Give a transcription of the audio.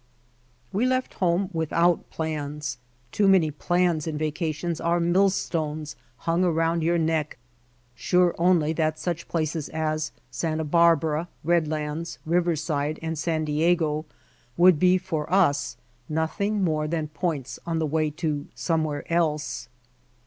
We left home without plans — too many plans in vacation are millstones hung around your neck — sure only that such places as Santa Barbara, Redlands, Riverside, and San Diego would be for us nothing more than points on the way to somewhere else.